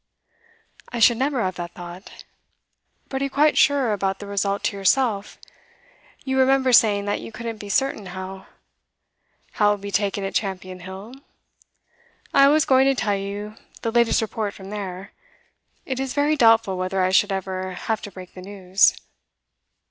'I should never have that thought. But are you quite sure about the result to yourself? You remember saying that you couldn't be certain how ' 'How it will be taken at Champion Hill? I was going to tell you the latest report from there. It is very doubtful whether I should ever have to break the news.